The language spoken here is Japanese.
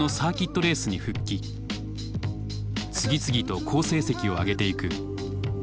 次々と好成績を挙げていく。